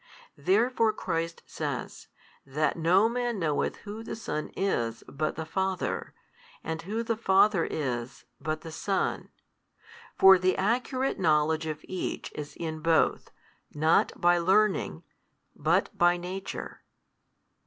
Therefore Christ says, that no man knoweth Who the Son is but the Father, and Who the Father is, but the Son. For the accurate knowledge of each is in Both, not by learning, but by Nature.